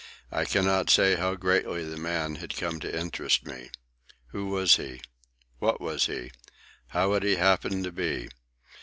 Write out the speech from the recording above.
I cannot say how greatly the man had come to interest me. Who was he? What was he? How had he happened to be?